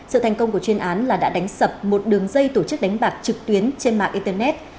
sự thành công của chuyên án là đã đánh sập một đường dây tổ chức đánh bạc trực tuyến trên mạng internet